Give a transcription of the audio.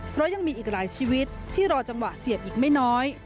เพราะยังมีอีกหลายชีวิตที่รอจังหวะเสียบอีกไม่น้อย